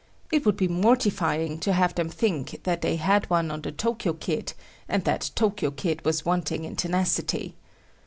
It would be mortifying to have them think that they had one on the Tokyo kid and that Tokyo kid was wanting in tenacity.